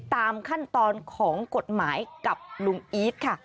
ตามขั้นตอนของกฎหมายกับลุงอีทค่ะ